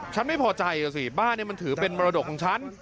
ฉันไม่พอใจอ่ะสิบ้านมันถือเป็นมรดกของฉัน